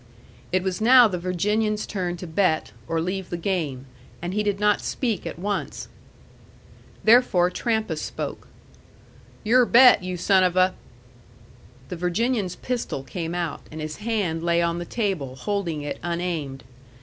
It was now the Virginian's turn to bet, or leave the game, and he did not speak at once. Therefore Trampas spoke. "Your bet, you son of a ." The Virginian's pistol came out, and his hand lay on the table, holding it unaimed.